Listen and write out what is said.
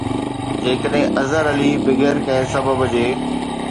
جيڪڏهن اظهر علي بغير ڪنهن سبب جي